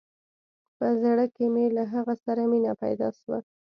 په زړه کښې مې له هغه سره مينه پيدا سوه.